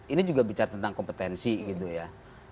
ini juga bicara tentang kompetensi gitu ya